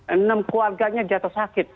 enam keluarganya jatuh sakit